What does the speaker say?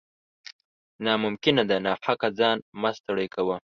نا ممکنه ده ، ناحقه ځان مه ستړی کوه